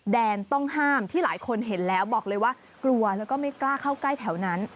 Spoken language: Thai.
แดนต้องห้ามที่หลายคนเห็นแล้วบอกเลยว่ากลัวแล้วก็ไม่กล้าเข้าใกล้แถวนั้น